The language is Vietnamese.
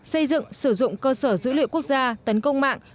xây dựng sử dụng cơ sở dữ liệu quốc gia tấn công mạng